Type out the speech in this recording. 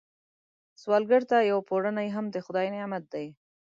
سوالګر ته یو پړونی هم د خدای نعمت دی